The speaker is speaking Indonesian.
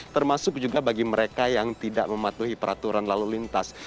termasuk juga bagi mereka yang tidak mematuhi peraturan lalu lintas